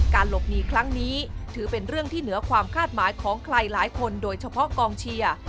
หลบหนีครั้งนี้ถือเป็นเรื่องที่เหนือความคาดหมายของใครหลายคนโดยเฉพาะกองเชียร์